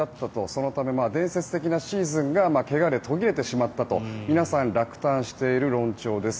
そのため伝説的なシーズンが怪我で途切れてしまったと皆さん落胆している論調です。